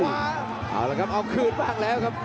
ห่วงฝากหน้าแล้วเสียบเลยครับ